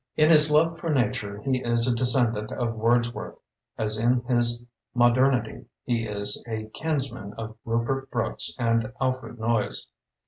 In his love for nature he is a de scendant of Wordsworth, as in his modernity he is a kinsman of Rupert Brooke and Alfred Noyes.